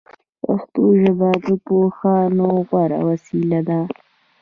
پښتو ژبه د پوهاوي غوره وسیله ده